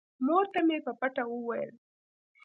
مور ته مې په پټه وويل.